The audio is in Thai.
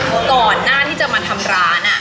ก่อนหน้าที่จะมาทำร้าน